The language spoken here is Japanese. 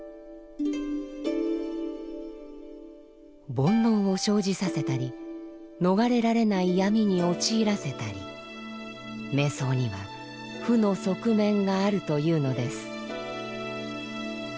煩悩を生じさせたり逃れられない闇に陥らせたり瞑想には負の側面があるというのです。